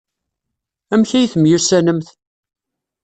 Amek ay temyussanemt?